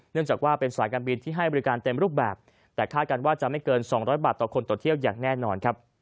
จากว่าเป็นสายการบินที่ให้บริการเต็มรูปแบบแต่คาดกันว่าจะไม่เกิน๒๐๐บาทต่อคนต่อเที่ยวอย่างแน่นอนครับ